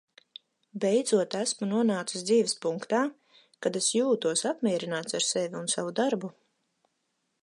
Beidzot esmu nonācis dzīves punktā, kad es jūtos apmierināts ar sevi un savu darbu.